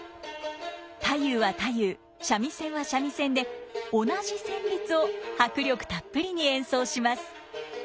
太夫は太夫三味線は三味線で同じ旋律を迫力たっぷりに演奏します。